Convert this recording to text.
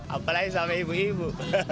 apalagi sama ibu ibu